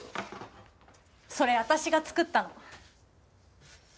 それ私が作ったの。